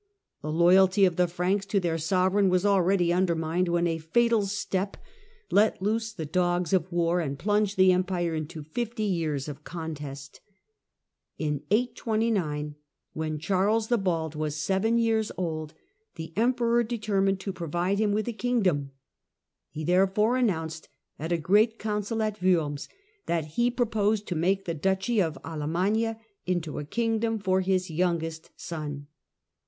The loyalty of the Franks to their sovereign was already undermined when a fatal step let loose the dogs of war and plunged the Empire into fifty years of contest. Louis and In 829, when Charles the Bald was seven years old, his sons 1 1 ,,•.,,..,,. the Emperor determined to provide him with a kingdom. He therefore announced, at a great council at Worms, that he proposed to make the Duchy of Alemannia into a kingdom for his youngest son.